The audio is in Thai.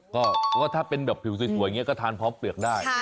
ก็ถ้าเป็นแบบผิวสวยอย่างนี้ก็ทานพร้อมเปลือกได้